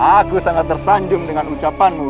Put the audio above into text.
aku sangat tersanjung dengan ucapanmu